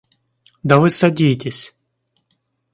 Да вы садитесь.